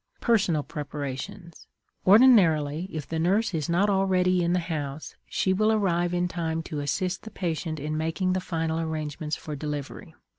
PERSONAL PREPARATIONS. Ordinarily, if the nurse is not already in the house, she will arrive in time to assist the patient in making the final arrangements for delivery.